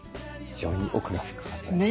非常に奥が深かったですね。